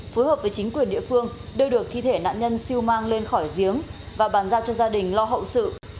phối hợp với chính quyền địa phương đưa được thi thể nạn nhân siêu mang lên khỏi giếng và bàn giao cho gia đình lo hậu sự